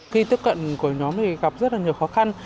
khi tiếp cận của nhóm thì gặp rất là nhiều khó khăn